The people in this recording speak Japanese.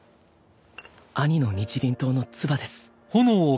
兄の日輪刀の鍔です。